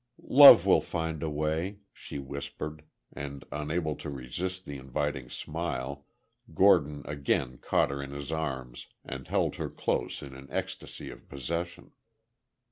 "Love will find a way," she whispered, and unable to resist the inviting smile, Gordon again caught her in his arms, and held her close in an ecstasy of possession.